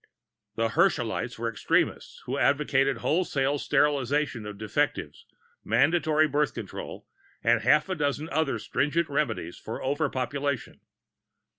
The Herschelites were extremists who advocated wholesale sterilization of defectives, mandatory birth control, and half a dozen other stringent remedies for overpopulation.